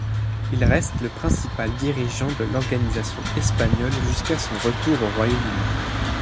Il reste le principal dirigeant de l'organisation espagnole jusqu'à son retour au Royaume-Uni.